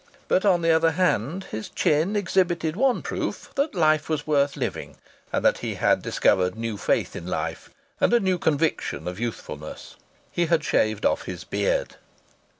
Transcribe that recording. But on the other hand his chin exhibited one proof that life was worth living, and that he had discovered new faith in life and a new conviction of youthfulness. He had shaved off his beard.